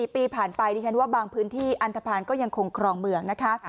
๔ปีผ่านไปดิฉันว่าบางพื้นที่อันทภาณก็ยังคงครองเมืองนะคะ